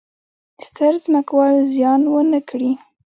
ستر ځمکوال زیان ونه کړي.